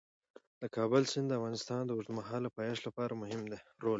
د کابل سیند د افغانستان د اوږدمهاله پایښت لپاره مهم رول لري.